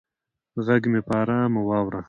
غږ مې په ارامه واوره